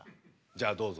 じゃあどうぞ。